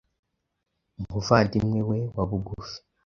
umuvandimwe we wa bugufi,